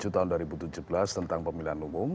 tujuh tahun dua ribu tujuh belas tentang pemilihan umum